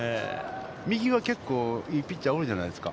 右は結構いいピッチャー多いじゃないですか。